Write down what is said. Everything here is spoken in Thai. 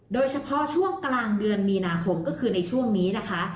โดยเฉพาะช่วงกลางเดือนมีนาคมก็คือในช่วงนี้นะคะ